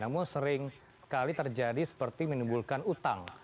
namun seringkali terjadi seperti menimbulkan utang